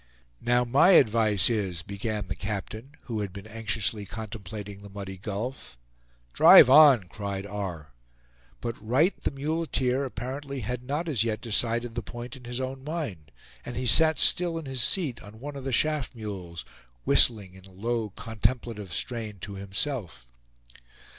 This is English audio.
"Now my advice is " began the captain, who had been anxiously contemplating the muddy gulf. "Drive on!" cried R. But Wright, the muleteer, apparently had not as yet decided the point in his own mind; and he sat still in his seat on one of the shaft mules, whistling in a low contemplative strain to himself.